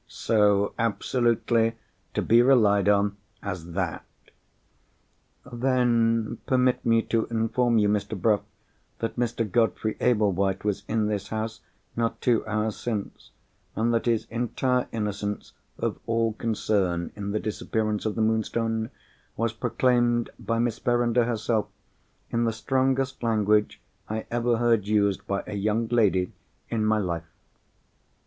"So absolutely to be relied on as that." "Then permit me to inform you, Mr. Bruff, that Mr. Godfrey Ablewhite was in this house not two hours since, and that his entire innocence of all concern in the disappearance of the Moonstone was proclaimed by Miss Verinder herself, in the strongest language I ever heard used by a young lady in my life."